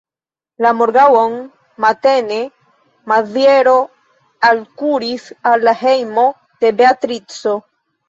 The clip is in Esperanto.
La morgaŭon matene Maziero alkuris al la hejmo de Beatrico.